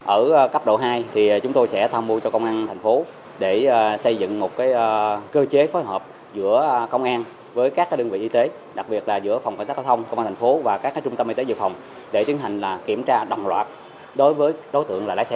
ở cấp độ hai thì chúng tôi sẽ tham mưu cho công an tp hcm để xây dựng một cơ chế phối hợp giữa công an với các đơn vị y tế đặc biệt là giữa phòng cảnh sát hóa thông công an tp hcm và các trung tâm y tế dự phòng để tiến hành kiểm tra đồng loạt